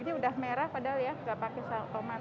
ini sudah merah padahal ya gak pakai tomat